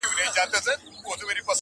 o چي هلکه وه لا گوزکه وه!